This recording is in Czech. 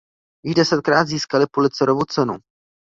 Již desetkrát získaly Pulitzerovu cenu.